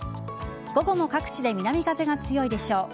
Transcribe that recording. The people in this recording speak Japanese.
午後も各地で南風が強いでしょう。